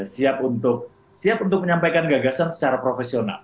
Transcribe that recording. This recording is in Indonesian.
siap untuk siap untuk menyampaikan gagasan secara profesional